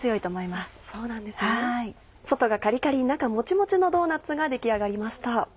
外がカリカリ中もちもちのドーナッツが出来上がりました。